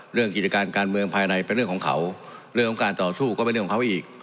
กิจการการเมืองภายในเป็นเรื่องของเขาเรื่องของการต่อสู้ก็เป็นเรื่องของเขาอีก